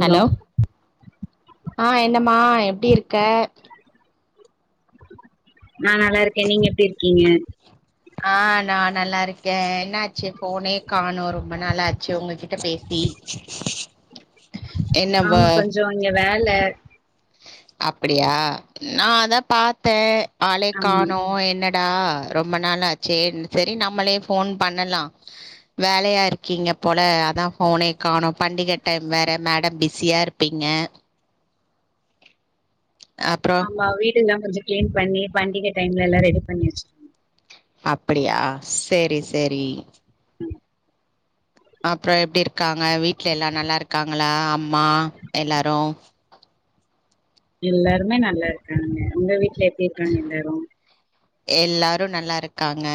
Hello ஆ என்னமா எப்டி இருக்க நா நல்லாருக்கே நீங்க எப்டி இருக்கீங்க ஆ நா நல்லா இருக்கே என்னாச்சி போனே காணோ ரொம்ப நாளாச்சி உங்ககிட்ட பேசி என்னம்ப ஆமா கொஞ்சோ இங்க வேலே அப்டியா நா அதா பாத்தே ஆளே ஆமா காணோ என்ன டா ரொம்ப நாளாச்சேன் செரி நம்மளே போன் பண்ணலா வேலையா இருக்கீங்க போல அதா போனே காணோ பண்டிக டைம் வேற மேடம் பிஸியாருப் பீங்க ஆப்றோ மா வீடுல்லா கொஞ்சோ கிளீன் பண்ணி பண்டிகை டைம்லல ரெடி பண்ணி வச்சிரு அப்டியா சேரி சேரி அப்றோ எப்டி இருக்காங்க வீட்ல எல்லா நல்லா இருக்காங்களா அம்மா எல்லாரூ எல்லாருமே நல்லா இருக்காங்க உங்க வீட்ல எப்டி இருக்காங்க எல்லாரு எல்லாரு நல்லா இருக்காங்க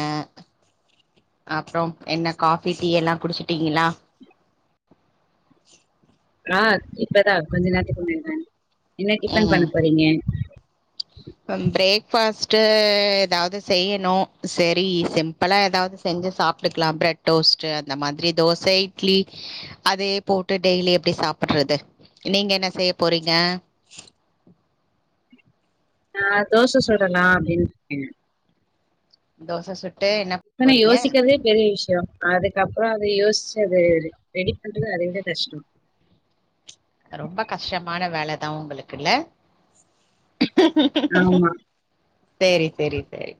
அப்றோம் என்ன காஃபி டீ எல்லா குடிச்சிட்டீங்களா நா இப்பதா கொஞ்ச நேரத்துக்கு முன்னாடிதா என்ன டிஃபன் பண்ண போறீங்க அம் பிரேக்ஃபாஸ்ட்டு எதாவது செய்யணு செரி சிம்பளா எதாவது செஞ்சி சாப் டுக்லா பிரெட் டோஸ்ட்டு அந்த மாதிரி தோச இட்லி அதே போட்டு டெய்லி எப்டி சாப்புட்றது நீங்க என்ன செய்ய போறீங்க நா தோச சுடலா அப்டின்ருக்கே தோச சுட்டு என்னப் த நா யோசிக்கவே பெரிய விஷயோ அதுக்கப்பறோ அத யோசிச்சி அது ரெடி பண்றது அதை விட கஷ்டோ ரொம்ப கஷ்டமான வேலதா ஒங்களுக்குல்ல ஆமா சேரி செரி சேரி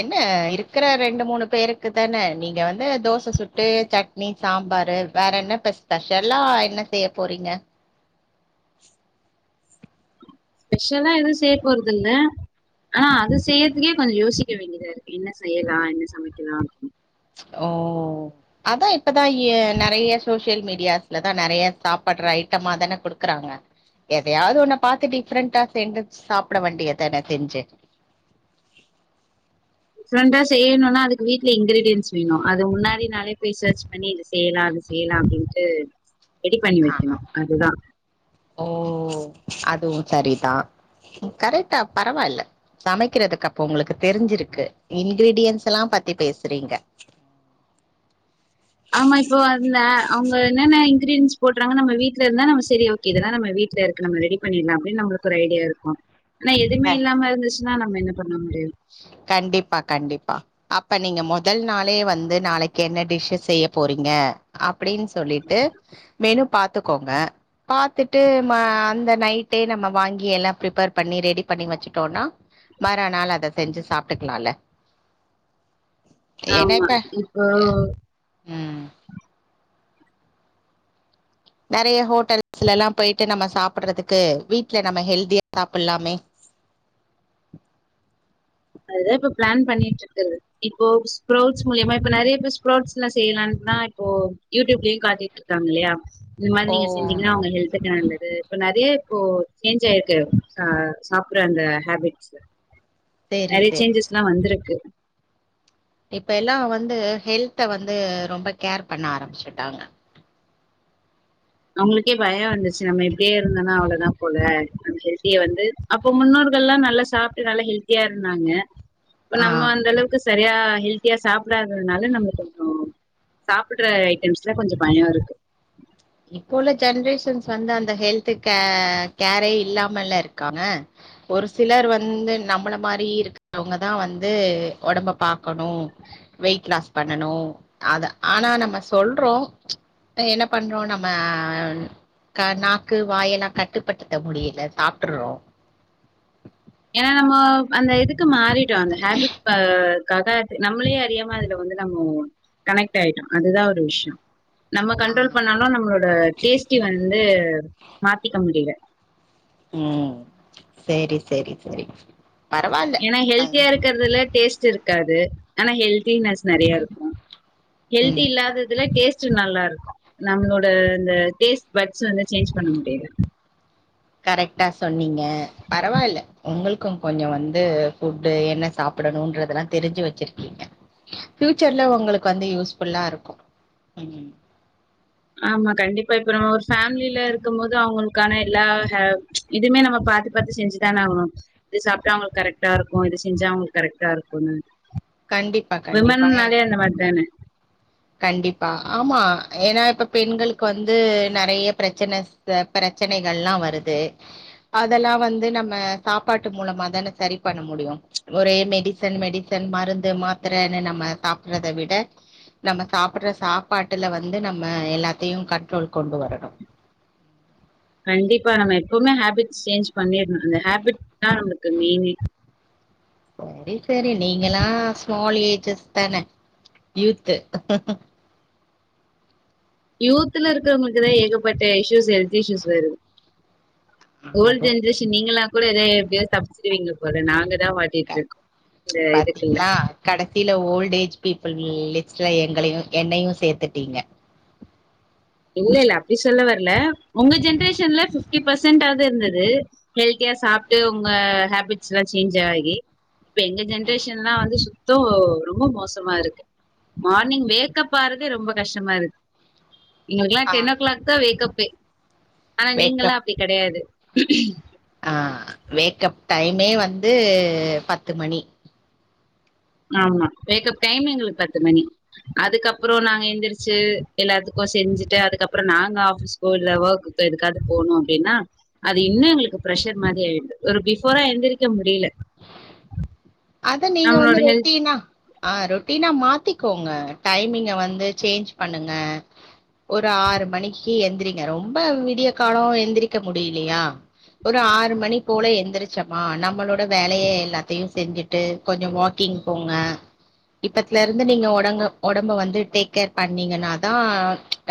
என்ன இருக்குற ரெண்டு மூணு பேருக்கு தான நீங்க வந்து தோச சுட்டு சட் னீ சாம்பாரு வேற என்ன பெஸ் ஸ்பெஷலா என்ன செய்ய போறீங்க ஸ்பெஷலா எது செய்ய போறதில்ல ஆனா அத செய்யற்துக்கே கொஞ்சோ யோசிக்க வேண்டியதா இருக்கு என்ன செய்யலா என்ன சமைக்கலா அப்டின்னு ஓ அதா இப்பதா எ நெறையா சோசியல் மீடியாஸ் லதா நெறையா சாப்பட்ற ஐட்டமா தான குடுக்குறாங்க எதையாவது ஒன்ன பாத்து டிஃப்ரெண்டா சேந்து சாப்ட வேண்டியதான செஞ்சு டிஃப்ரெண்டா செய்யணுனா அது வீட்ல இங்கிரீடியன்ஸ் வேணு அது முன்னாடி நாளே பெய் சர்ச் பண்ணி இது செய்யலா அது செய்யலா அப்டின்ட்டு ரெடி பண்ணி ஆ, வைக்கணு அதுதா ஓ அதுவு சரிதா கரெக்டா பரவாயில்ல சமைக்கிறதுக்கு அப்ப உங்களுக்கு தெரிஞ்சிருக்கு இன்கிரீடியன்ஸ் எல்லா பத்தி பேசுறீங்க ஆமா இப்போ வந்தே அவுங்க என்னென்ன இன்கிரீடியன்ஸ் போடுறாங்க நம்ம வீட்ல இருந்தா நம்ம சரியா வரு இதெல்லாம் நம்ம வீட்ல இருக்கு நம்ம ரெடி பண்ணிடலா அப்டின்னு நம்மளுக்கு ஒரு ஐடியா இருக்கும் ஆனா எதுமே இல்லாம இருந்துச்சுன்னா நம்ம என்ன பண்ண முடியு கண்டிப்பா கண்டிப்பா அப்ப நீங்க முதல் நாளே வந்து நாளைக்கு என்ன டிஷ்ஸு செய்ய போறீங்க அப்டின்னு சொல்லிட்டு மெனு பாத்துக்கோங்க பாத்துட்டு அந்த நைட்டே நம்ம வாங்கி எல்லா பிரிப்பேர் பண்ணி ரெடி பண்ணி வச்சுட்டோனா மறா நாள் அத செஞ்சு சாப்ட்டுக்கலால்ல ஏன்னா ஆமா இப்ப இப்போ ம் நறைய ஹோட்டல்ஸ்ல எல்லா போயிட்டு நம்ம சாப்புறதுக்கு வீட்ல நம்ம ஹெல்தியா சாப்பிட்லாமே அதுதா இப்ப பிளான் பண்ணிட்டு இருக்குது இப்போ ஸ்புரொட்ஸ் மூலியமா இப்ப நெறைய பேர் ஸ்ப்ரொட்ஸ்லா செய்யலாம்னுதா இப்போ யூடியூப்லயு காட்டிட்டு இருக்காங்க இல்லையா இந்த மாறி ஓ நீங்க செஞ்சீங்கன்னா அவுங்க ஹெல்த்துக்கு நல்லது இப்ப நெறைய இப்போ சேஞ்ச் ஆயிருக்கு அ சாப்புற அந்த ஹேபிட்ஸ் சரி நெறைய சரி. சேஞ்சஸ்லா வந்திருக்கு இப்ப எல்லா வந்து ஹெல்த்த வந்து ரொம்ப கேர் பண்ண ஆரம்பிச்சுட்டாங்க நம்மளுக்கே பயம் வந்துச்சு நம்ம இப்டியே இருந்தோனா அவ்ளோதா போல அந்த ஹெல்த்திய வந்து அப்போ முன்னோர்கள்லா நல்லா சாப்பிட்டு நல்லா ஹெல்த்தியா இருந்தாங்க இப்ப ஆ. நம்ம அந்த அளவுக்கு சரியா ஹெல்த்தியா சாப்பிடாததுனால நம்ம கொஞ்சோ சாப்புடுற ஐட்டம்ஸ்ல கொஞ்ச பயோ இருக்கு இப்போ உள்ள ஜென்ரேஷன்ஸ் வந்து அந்த ஹெல்து கே கேரே இல்லாமல்ல இருக்காங்க ஒரு சிலர் வந்து நம்மள மாறி இருக்கிறவங்கதா வந்து ஒடம்ப பாக்கணு வெயிட் லாஸ் பண்ணனு அத ஆனா நம்ம சொல்றோ என்ன பண்றோ நம் ம நாக்கு க வாயெல்லா கட்டுப்படுத்த முடியல சாப்ட்டுறோ ஏன்னா நம்ம அந்த இதுக்கு மாறிட்டோ அந்த ஹேபிட்க்காக நம்மளே அறியாம அதுல வந்து நம்ம கனெக்ட் ஆயிட்டோ அதுதா ஒரு விஷயோ நம்ம ஆ கண்ட்ரோல் பண்ணாலு நம்மளோட டேஸ்ட்டி வந்து மாத்திக்க முடியல ம் சேரி சேரி சேரி ஏன்னா ஹெல்தியா இருக்கிறதுல டேஸ்ட்டு இருக்காது ஆனா ஹெல்தினஸ் நறைய இருக்கு ஹெல்தி ம். இல்லாததுல டேஸ்ட் டு நல்லா இருக்கு நம்மளோட அந்த டேஸ்ட் பட்ஸ் வந்து சேஞ்ச் பண்ண முடியல கரெக்டா சொன்னீங்க பரவாயில்ல உங்களுக்கு கொஞ்சோ வந்து ஃபுட்டு என்ன சாப் புடனுன்றதெல்லா தெரிஞ்சு வெச்சிருக்கீங்க ஃப்யூச்சர்ல உங்களுக்கு வந்து யூஸ் ஃபுல்லா இருக்கு ம் ஆமா கண்டிப்பா இப்ப நம்ம ஒரு ஃபேம்லில இருக்கும் போது அவுங்களுக்கான எல்லா ஹா இதுமே நம்ம பாத்து பாத்து செஞ்சுதானே ஆகணு இது சாப்ட்டா அவுங்களுக்கு கரெக்டா இருக்கு இது செஞ்சா அவுங்களுக்கு கரெக்டா இருக்குன்னு கண்டிப்பா, கண்டிப்பா. ஏ விமன்னாலே அந்த மாறி தானே கண்டிப்பா ஆமா ஏன்னா இப்ப பெண்களுக்கு வந்து நெறைய பிரச்சனை பிரச்சனைகள்லா வருது அதெல்லா வந்து நம்ம சாப்பாட்டு மூலமா தானே சரி பண்ண முடியு ஒரே மெடி சன் மெடிசன் மருந்து மாத்திரைன்னு நம்ம சாப்பிட்றதை விட நம்ம சாப்புட்ற சாப்பாட்டுல வந்து நம்ம எல்லாத்தையு கன்ட்ரோல் கொண்டு வரணு கண்டிப்பா நம்ம எப்வுமே ஹேபிட் சேஞ்ச் பண்ணிட்ணு அந்த ஹேபிட் தா நமக்கு மெயினே சரி சரி நீங்கல்லா ஸ்மால் ஏஜஸ் தானே யூத்து யூத்ன்னு இருக்கிறவங்களுக்கு தா ஏகப்பட்ட இஷ்யூஸ் ஹெல்த் இஷ்யூஸ் வருது ஓல்டு அதுவு ஜென்ரேஷன் நீங்க எல்லா கூட எதோ எப்டியோ தப்பச்சிருவீங்க போல நாங்கதா பாத்தீங்ளா கடைசியில ஓல்ட ஏஜ் பீப்புள் லிஸ்ட்ல எங்களையு என்னையு சேத்துட்டீங்க இல்ல இல்ல அப்டி சொல்ல வரல உங்க ஜென்ரேஷன்ல பிப்டி பெர்சன்ட் ஆவது இருந்தது ஹெல்தியா சாப்ட்டு உங்க ஹேபிட்ஸ் எல்லா சேஞ்ச் ஆகி இப்ப எங்க ஜென்ரேஷன்னா வந்து சுத் தோ ரொம்ப மோசமா இருக்கு மார்னிங் வேக்கப் ஆறதே ரொம்ப கஷ்டமா இருக்கு எங்களுக்கெல்லா ஆ டென் ஓ கிளாக் தா வேக்கப்பே ஆனா நீங்கல்லா வேக்கப் அப்டி கெடையாது ஆ வேக்கப் டைமே வந்து பத்து மணி ஆமா வேக்கப் டைம் எங்களுக்கு பத்து மணி அதுக்கப்றோ நாங்க எந்திரிச்சு எல்லாத்துக்கு செஞ்சுட்டு அதுக்கப்பறோ நாங்க ஆவீஸ் ஸ்கூல்ல ஒர்க்குக்கு எதுக்காது போணு அப்டின்னா அது இன்னும் எங்களுக்கு ப்ரஷர் மாறி ஆயிடுது ஒரு ஃபிபோரா எந்திரிக்க முடியல அத்தா நீங்க வந்து நம்மளோட ஹெல்த் ரெட்டினா ஆ ரொட்டீனா மாத்திக்கோங்க டைமிங்க வந்து சேஞ்ச் பண்ணுங்க ஒரு ஆறு மணிக்கு எந்திரிங்க ரொம்ப விடிய காலம் எந்திரிக்க முடிலையா ஒரு ஆறு மணி போல எழுந்திரிச்சமா நம்மளோட வேலைய எல்லாத்தையு செஞ்சுட்டு கொஞ்சோ வாக்கிங் போங்க இப்பத்துல இருந்து நீங்க ஒடங்க ஒடம்ப வந்து டேக் கேர் பண்ணீங்கன்னாதா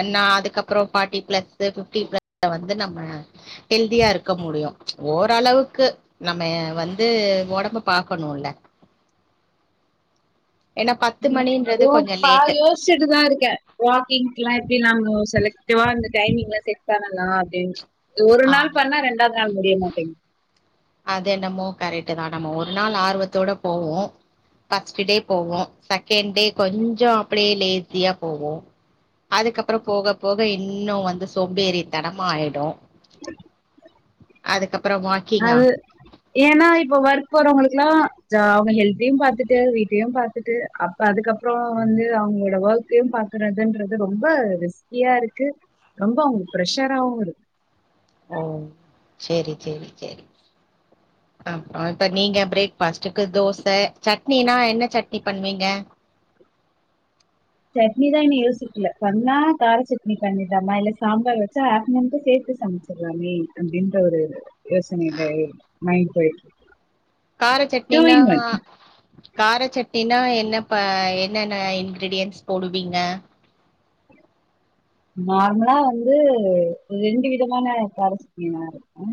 என்னா அதுக்கப்றோ பார்ட்டி பிளஸ்சு பிப்டி பிளஸ்சு வந்து நம்ம ஹெல்தியா இருக்க முடியு ஓரளவுக்கு நம்ம வந் து ஒடம்ப பாக்கணுல்ல ஏன்னா பத்து மணின்றது அதுவு கொஞ்சம் லேட்டு பாயஸ் ச்சிட்டுதா இருக்கே வாக்கிங்ல்லா எப்டி நாம்ம செலக்டிவா அந்த டைமிங்ல்லா செட் பண்ணலா அப்படின் ஒரு நாள் ஆமா பண்ணா ரெண்டாவது நாள் முடிய மாட்டேங் அது என்னமோ கரெக்ட் தா நம்ம ஒரு நாள் ஆர்வத்தோட போவோ ஃபர்ஸ்ட் டே போவோ செகண்ட் டே கொஞ்சோ அப்படியே லேஸியா போவோ அதுக்கப்றோ போக போக இன்னும் வந்து சொம்பேறி தனமா ஆயிடும் அதுக்கப்றோ வா அது ஏன்னா இப்ப ஒர்க் போறவங்களுக்குல்லா ஜா அவுங்க ஹெல்தையு பாத்துட்டு வீட்டயு பாத்துட்டு இப்ப அதுக்கப்றோ வந்து அவங்களோட ஒர்க்கையு பாக்குறதுன்றது ரொம்ப ரிஸ்க்கியா இருக்கு ரொம்ப அங்க ஃப்ரஷராவு இருக்கு ஓ சேரி சேரி சேரி அப்றோ இப்ப நீங்க பிரேக்பாஸ்ட்டுக்கு தோச சட்னினா என்ன சட்னி பண்வீங்க சட்னிதா இன்னு யோசிக்கல பண்ணா கார சட்னி பண்ணிட்லாமா இல்ல சாம்பார் வச்சா ஆப்டர்நூன்க்கும் சேத்து சமைச் சுட்லாமே அப்படின்ற ஒரு யோசனையில இருக்கு மைண்ட்ல இருக்கு கார சட்னினா கார சட்னினா என்னப்பா எ ன்னென்ன இன்கிரீடியன்ஸ் போடுவீங்க நார்மலா வந்து ரெண்டு விதமான காரச் சட்னி நா அரப்பே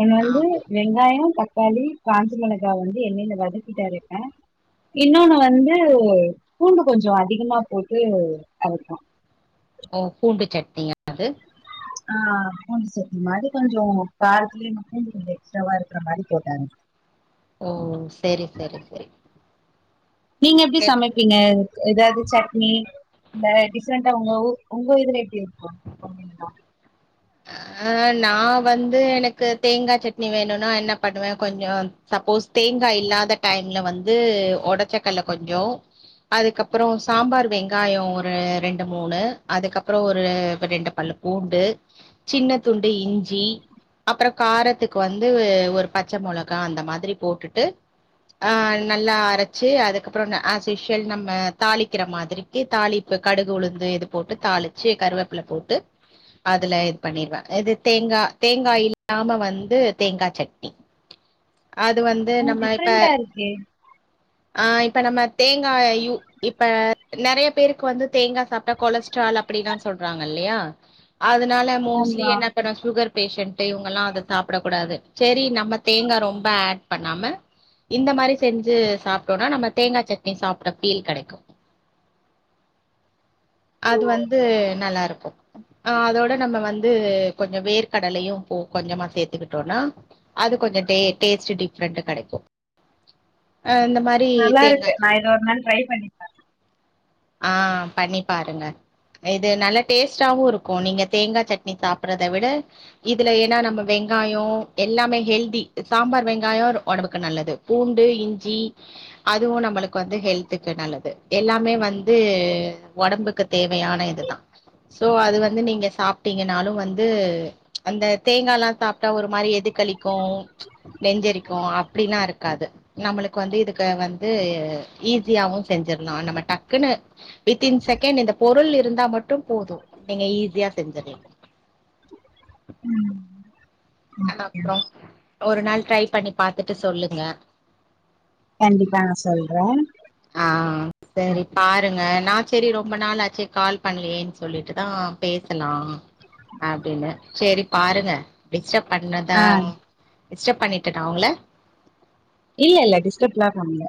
உன் வந்து ஆ வெங்காயோ தக்காளி காஞ்ச மொளகா வந்து எண்ணெயில வதக்கிட்டு அரைப்பே இன்னொன்னு வந்து பூண்டு கொஞ்சோ அதிகமா போட்டு அரக்கலா ஓ பூண்டு சட்னியா அது ஆ பூண்டு சட்னி மாரி கொஞ்சோ காரத்துலயே பூண்டு கொஞ்சோ எக்ஸ்ட்ராவா இருக்கற மாதிரி போட்டாங்க ஓ சேரி சேரி சேரி நீங்க எப்டி சமைப் பீங்க ஏதாவது சட்னி இந்த டிஃப்ரெண்டா உங்க உங்க இதுல எப்டி இருக்கு அப்டிங்ளா ஆ நா வந்து எனக்கு தேங்கா சட்னி வேணும்னா என்ன பண்ணுவே கொஞ்சோ சப்போஸ் தேங்கா இல்லாத டைம்ல வந்து ஒடச்சக்கல்ல கொஞ்சோ அதுக்கப்புறோ சாம்பார் வெங்காயோ ஒரு ரெண்டு மூணு அதுக்கப்றோ ஒரு ரெண்டு பல்லு பூ பூண்டு சின்ன துண்டு இஞ்சி அப்புறோ காரத்துக்கு வந்து ஒரு பச்சை மொளகா அந்த மாதிரி போட்டுட்டு ஆ நல்லா அரைச்சு அதுக்கப்றோ ஆசிஷல் நம்ம தாளிக்கிற மாதிரி தாளிப்பு கடுகு உளுந்து இது போட்டு தாளிச்சு கருவேப்பல போட்டு அதுல இது பண்ணிருவே இது தேங்கா தேங்கா இல்லாம வந்து தேங்கா சட்னி அது வந்து நம்ம இப்ப டிஃப்ரெண்டா இருக்கே ஆ இப்ப நம்ம தேங்கா யூ இப்ப நெறையா பேருக்கு வந்து தேங்கா சாப்டா கொலஸ்ட்ரால் அப்படி எல்லா சொல்றாங்க இல்லையா அதனால மோஸ்ட்லி ஆமா என்ன பண்ண சுகர் பேஷண்ட் இவங்க எல்லா அத சாப்டக் கூடாது செரி நம்ம தேங்கா ரொம்ப ஆட் பண்ணாம இந்த மாரி செஞ்சு சாப்டோனா நம்ம தேங்கா சட்னி சாப்ட ஃபீல் கெடைக்கு அது வந்து நல்லா இருக்கு ஆ அதோட நம்ம வந்து கொஞ்சோ வேர்க்கடலையு போ கொஞ்சமா சேத்துக்கிட்டோனா அது கொஞ்சோ டெ டேஸ்ட் டிஃப்ரண்ட் கெடைக்கு அ இந்த மாரி நல்லா தேங்கா இருக்கு நா இத ஒரு நாள் ட்ரை பண்ணி ஆபண்ணி பாருங்க இது நல்ல டேஸ்ட்டாவு இருக்கு நீங்க தேங்கா சட்னி சாப்படுறத விட இதுல ஏனா நம்ம வெங்காயோ எல்லாமே ஹெல்தி சாம்பார் வெங்காயோ ஒடம்புக்கு நல்லது பூண்டு இஞ்சி அதுவு நம்மளுக்கு வந்து ஹெல்த்துக்கு நல்லது எல்லாமே வந் இது ஓடம்புக்கு தேவையான இதுதா சோ அது வந்து நீங்க சாப்டீங்கனாலு வந்து அந்த தேங்கா எல்லா சாப்டா ஒரு மாரி எதுகளிக்கு நெஞ்செரிக்கு அப்டிலா இருக்காது நம்ளுக்கு வந்து இது வந்து ஈஸியாவு செஞ்சிரலாம் நம்ம டக் குனு வித்தின் செகண்ட் இந்த பொருள் இருந்தா மட்டு போதும் நீங்க ஈஸியா செஞ்சீறலா அ அப்றோ பார்க்கேன் ஒரு நாள் ட்ரை பண்ணி பாத்துட்டு சொல்லுங்க கண்டிப்பா நா சொல்றே ஆ செரி பாருங்க நா செரி ரொம்ப நாளாச்சே கால் பண்ணலயேனு சொல்லிட்டுதா பேசுனா அப்டின்னு செரி பாருங்க டிஸ்டர்ப் பண்ணதா ஆஹ் டிஸ்டர்ப் பண்ணட்டா டிஸ்டர்ப் பண்ணிட்டேனா ஒங்கள இல்ல இல்ல டிஸ்டப் எல்லா பண்ணல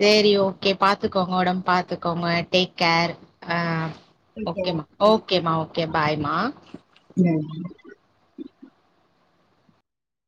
சேரி ஓகே பாத்துக்கோங்க ஒடம்ப பாத்துக்கோங்க டேக் கேர் ஆ ஓகே ஒகேமா‌ ஓகே ஓகே பாய்மா ம்